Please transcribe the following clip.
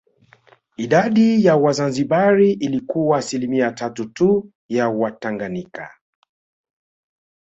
Idadi ya Wazanzibari ilikuwa asilimia tatu tu ya Watanganyika